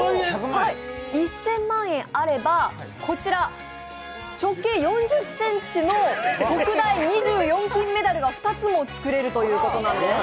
１０００万円あれば、直径４０センチの特大２４金メダルが２つも作れるということなんです。